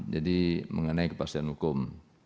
jadi mengenai kepastian hukum